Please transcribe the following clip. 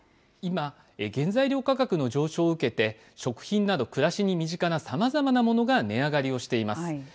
今、原材料価格の上昇を受けて、食品など暮らしに身近なさまざまなものが値上がりをしています。